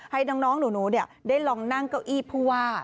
ให้น้องหนูได้ลองนั่งเก้าอี้ผู้ว่า